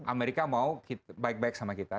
amerika mau baik baik sama kita